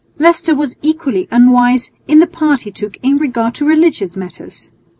Leicester was equally unwise in the part he took in regard to religious matters.